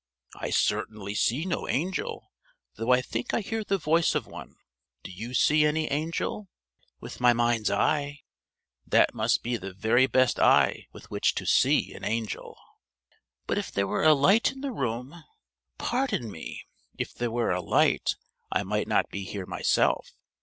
"I certainly see no angel, though I think I hear the voice of one! Do you see any angel?" "With my mind's eye." "That must be the very best eye with which to see an angel!" "But if there were a light in the room !" "Pardon me! If there were a light, I might not be here myself.